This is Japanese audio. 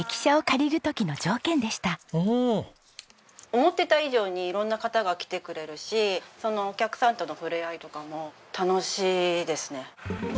思ってた以上に色んな方が来てくれるしそのお客さんとの触れ合いとかも楽しいですね。